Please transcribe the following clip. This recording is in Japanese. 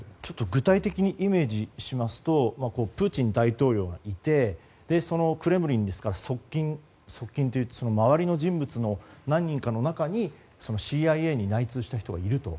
具体的にイメージしますとプーチン大統領がいてそのクレムリン、側近の周りの人物の何人かの中にＣＩＡに内通した人がいると。